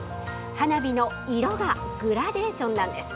花火の色がグラデーションなんです。